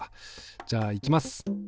じゃあいきます。